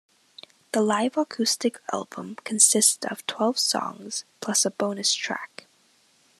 The live acoustic album consist of twelve songs plus a bonus track.